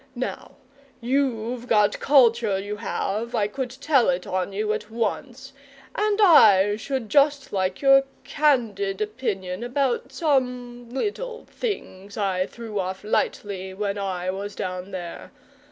Now you've got culture, you have, I could tell it on you at once, and I should just like your candid opinion about some little things I threw off lightly, when I was down there.